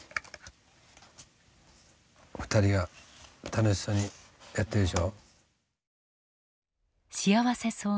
２人が楽しそうにやってるでしょ。